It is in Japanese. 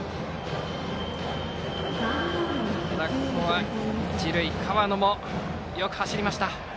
ここは一塁の河野もよく走りました。